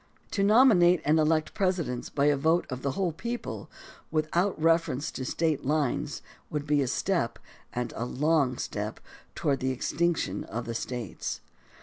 To nomi nate and elect Presidents by a vote of the whole peo ple, without reference to State lines, would be a step, and a long step, toward the extinction of the States.